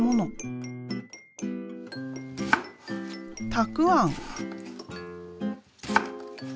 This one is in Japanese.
たくあん。